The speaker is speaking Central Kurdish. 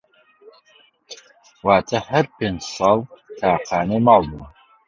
واتا هەر پێنج ساڵ تاقانەی ماڵ بووم